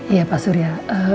iya pak surya